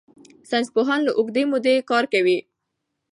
ساینسپوهان له اوږدې مودې کار کوي.